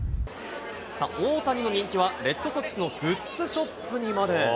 大谷の人気はレッドソックスのグッズショップにまで。